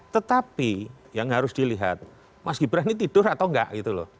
tetapi yang harus dilihat mas gibran ini tidur atau enggak gitu loh